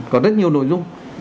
có rất nhiều nội dung